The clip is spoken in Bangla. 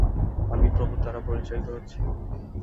আমি প্রভুর দ্বারা পরিচালিত হচ্ছি।